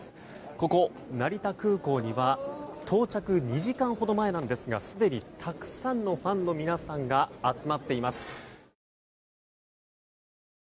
ここ、成田空港には到着２時間ほど前なんですがすでにたくさんのファンの皆さんが集まっています。